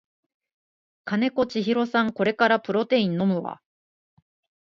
金子千尋さんこれからプロテイン飲むわ